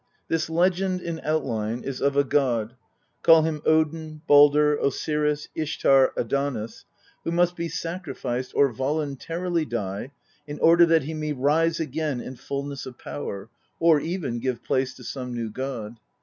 This legend, in outline, is of a god call him Odin, Baldr, Osiris, Ishtar, Adonis who must be sacrificed or voluntarily die in order that he may rise again in fulness of power, or even give place to some new god.